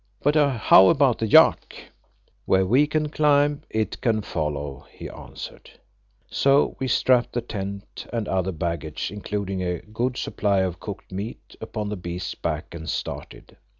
But how about the yak?" "Where we can climb, it can follow," he answered. So we strapped the tent and other baggage, including a good supply of cooked meat, upon the beast's back, and started.